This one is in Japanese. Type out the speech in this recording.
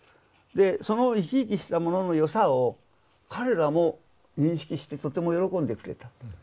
でその生き生きしたものの良さを彼らも認識してとても喜んでくれたと。